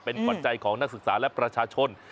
เป็นขวัญใจของนักศึกษาและประชาชน